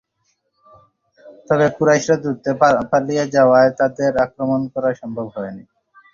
তবে কুরাইশরা দ্রুত পালিয়ে যাওয়ায় তাদের আক্রমণ করা সম্ভব হয়নি।